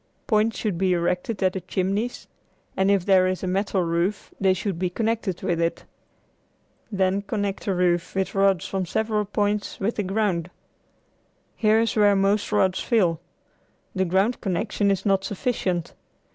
Points should be erected at the chimneys, and if there is a metal roof they should be connected with it. Then connect the roof with rods from several points with the ground. Here is where most rods fail. The ground connection is not sufficient.